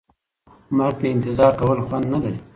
مرګ ته انتظار کول خوند نه لري.